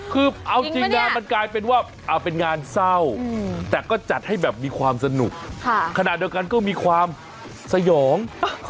คือเอาจริงนะมันกลายเป็นว่าเป็นงานเศร้าแต่ก็จัดให้แบบมีความสนุกขณะเดียวกันก็มีความสยอง